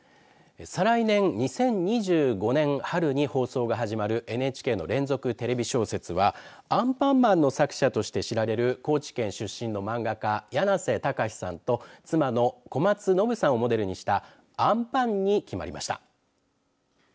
再来年、２０２５年春に放送が始まるＮＨＫの連続テレビ小説はアンパンマンの作者として知られる高知県出身の漫画家やなせたかしさんと妻の小松暢さんをモデルにしたあんぱんに決まりました。